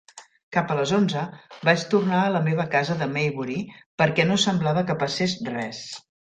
Cap a les onze, vaig tornar a la meva casa de Maybury perquè no semblava que passés res.